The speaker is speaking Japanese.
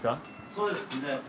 そうですね。